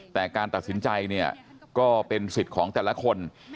แต่การตัดสินใจเนี่ยก็เป็นสิทธิ์ของแต่ละคน